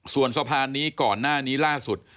ส่วนสะพานนี้ก่อนหน้านี้ล่าสุด